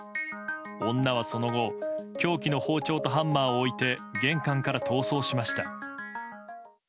女はその後凶器の包丁とハンマーを置いて玄関から逃走しました。